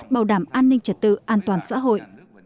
bảo đảm an ninh trật tự an toàn xã hội